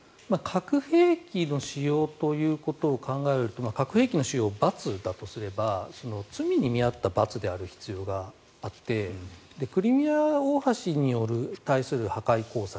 核兵器の使用ということを考えると核兵器の使用を罰だとすれば罪に見合った罰である必要があってクリミア大橋に対する破壊工作